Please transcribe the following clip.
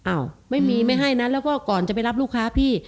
อ้าวไม่มีไม่ให้นะแล้วก็ก่อนจะไปรับลูกค้าพี่